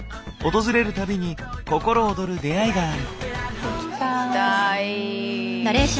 訪れる度に心躍る出会いがある。